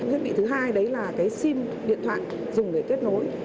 thiết bị thứ hai đấy là cái sim điện thoại dùng để kết nối